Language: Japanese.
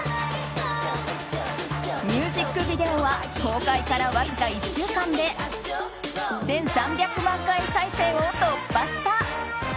ミュージックビデオは公開からわずか１週間で１３００万回再生を突破した。